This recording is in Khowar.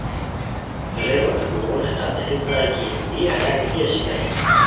ریکو ہتے کومورو ہیتانتے لو پرائے کی دی ہیا گیتی اسیتائے